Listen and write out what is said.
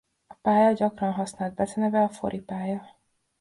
A pálya gyakran használt beceneve a Fori-pálya.